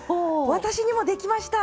私にもできました。